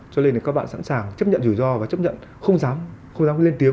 cho nên các bạn sẵn sàng chấp nhận rủi ro và chấp nhận không dám lên tiếng